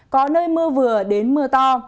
có nơi mưa vừa đến mưa to